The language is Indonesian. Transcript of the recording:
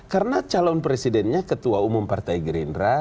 karena calon presidennya ketua umum partai gerindra